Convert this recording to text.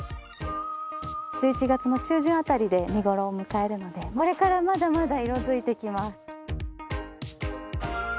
１１月の中旬あたりで見頃を迎えるのでこれからまだまだ色付いてきます。